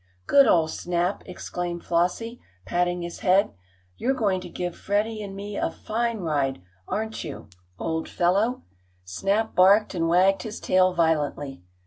"Good old Snap!" exclaimed Flossie, patting his head. "You're going to give Freddie and me a fine ride; aren't you, old fellow?" Snap barked and wagged his tail violently.